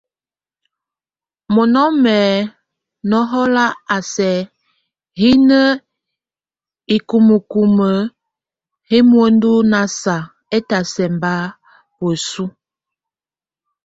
Munɔ́mɛ nɔhɔl a sɛk híni hikumukumu hɛ́ muendu nasa, étasɛ bá buesú.